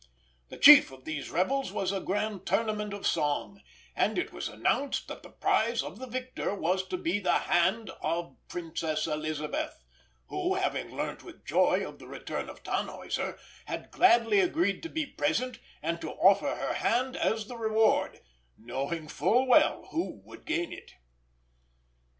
The chief of these revels was a grand Tournament of Song; and it was announced that the prize of the victor was to be the hand of the Princess Elisabeth, who, having learnt with joy of the return of Tannhäuser, had gladly agreed to be present, and to offer her hand as the reward, knowing full well who would gain it.